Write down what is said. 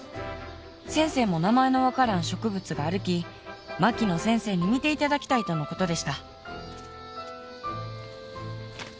先生も名前の分からん植物があるき槙野先生に見ていただきたいとのことでした」。